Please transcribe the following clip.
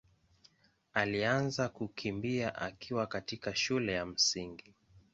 alianza kukimbia akiwa katika shule ya Msingi.